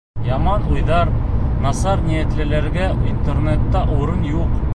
Яман уйҙар, насар ниәтлеләргә интернатта урын юҡ.